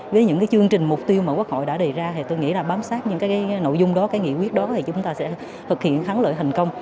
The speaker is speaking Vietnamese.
với những cái chương trình mục tiêu mà quốc hội đã đề ra thì tôi nghĩ là bám sát những cái nội dung đó cái nghị quyết đó thì chúng ta sẽ thực hiện thắng lợi thành công